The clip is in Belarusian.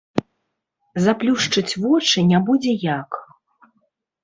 Заплюшчыць вочы не будзе як.